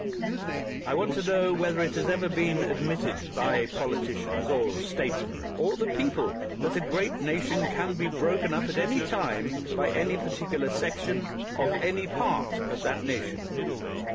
I want to know whether it has ever been ad mitted by politicians, or statesmen, or the people, that a great nation can be broken up at any time by any particular section of any part of that nation.